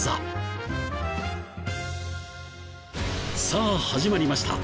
さあ始まりました。